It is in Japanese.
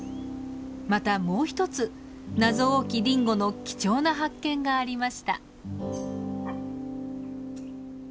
またもう一つ謎多きディンゴの貴重な発見がありました。